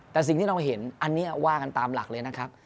แต่สิ่งที่เราเห็นอันนี้ว่ากันตามหลักเลยนะครับ